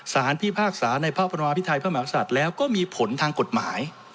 พิพากษาในพระบรมพิทัยพระมหาศัตริย์แล้วก็มีผลทางกฎหมาย